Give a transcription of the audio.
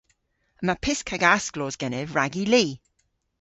Yma pysk hag asklos genev rag y li.